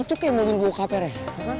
itu kayak mobil buka perih